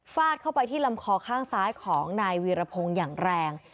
เข้าไปที่ลำคอข้างซ้ายของนายวีรพงศ์อย่างแรง